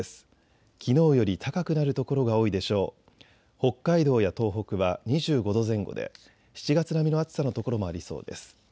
北海道や東北は２５度前後で７月並みの暑さの所もありそうです。